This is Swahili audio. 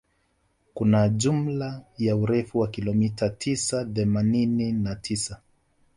Kuna jumla ya urefu wa kilomita mia tisa themanini na tisa